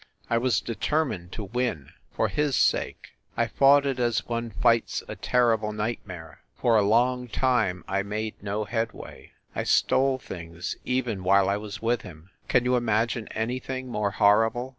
I was determined to win for his sake. I fought it as one fights a terrible nightmare. For a long time I made no headway. I stole things even while I was with him! Can you imagine anything more horrible?